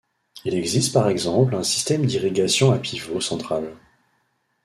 Il existe par exemple un système d'irrigation à pivot central.